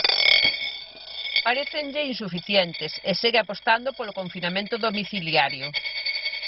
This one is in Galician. Parécenlle insuficientes e segue apostando polo confinamento domiciliario.